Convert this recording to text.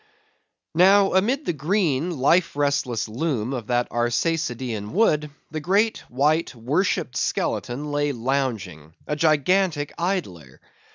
Now, amid the green, life restless loom of that Arsacidean wood, the great, white, worshipped skeleton lay lounging—a gigantic idler!